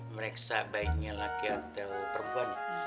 mereksa baiknya laki atau perempuan ya